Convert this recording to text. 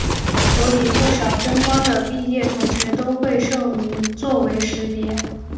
所以不少真光的毕业同学都会社名作为识别。